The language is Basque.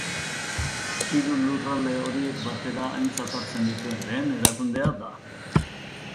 Hiru lurralde horiek batera aintzat hartzen dituen lehen erakundea da.